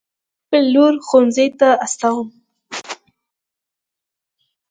زه خپله لور ښوونځي ته استوم